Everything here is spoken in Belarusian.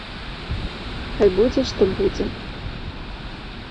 Хай будзе, што будзе!